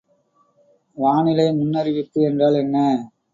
வானிலை முன்னறிவிப்பு என்றால் என்ன?